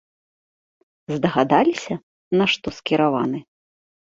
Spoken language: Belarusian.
Здагадаліся, на што скіраваны?